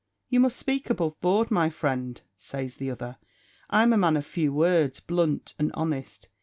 "You must speak above board, my friend," says the other. "I'm a man of few words, blunt and honest.